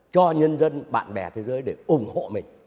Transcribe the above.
cho nhân dân bạn bè thế giới để ủng hộ mình